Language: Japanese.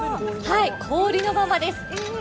氷のままです。